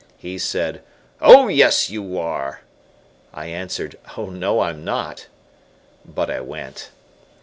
He said, "Oh, yes, you are!" I answered. "Oh, no, I'm not!" But I went.